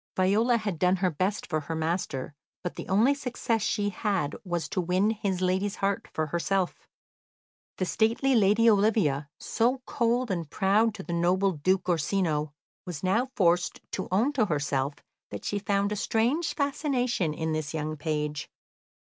Viola had done her best for her master, but the only success she had was to win his lady's heart for herself. The stately lady Olivia, so cold and proud to the noble Duke Orsino, was now forced to own to herself that she found a strange fascination in this young page.